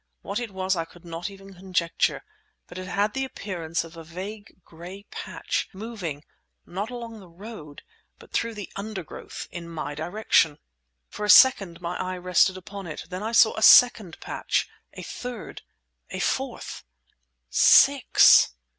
What it was I could not even conjecture; but it had the appearance of a vague gray patch, moving—not along the road, but through the undergrowth—in my direction. For a second my eye rested upon it. Then I saw a second patch—a third—a fourth! Six!